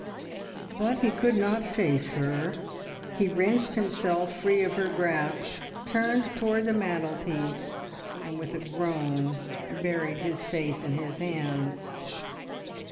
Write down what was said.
But he could not face her. He wrenched himself free of her grasp, turned towards the mantelpiece, and with a groan buried his face in his hands.